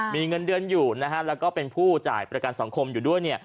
มีเงินเดือนอยู่นะฮะแล้วก็เป็นผู้จ่ายประกันสังคมอยู่ด้วยเนี่ย